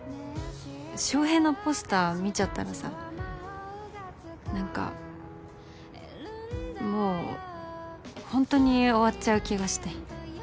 翔平のポスター見ちゃったらさ何かもうホントに終わっちゃう気がして。